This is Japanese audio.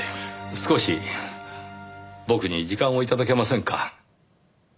少し僕に時間を頂けませんか？